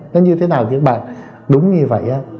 nó như thế nào thì các bạn đúng như vậy á